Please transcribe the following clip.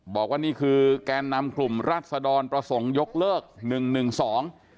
บอกว่านี่คือแกนนำกลุ่มรัศดรประสงค์ยกเลิกหนึ่งหนึ่งสอง